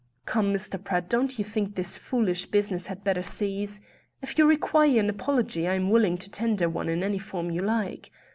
"Come, Mr. Pratt, don't you think this foolish business had better cease? If you require an apology I am willing to tender one in any form you like.